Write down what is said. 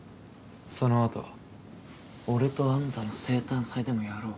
そのあと俺とあんたの生誕祭でもやろう。